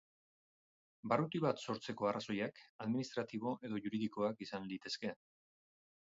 Barruti bat sortzeko arrazoiak administratibo edo juridikoak izan litezke.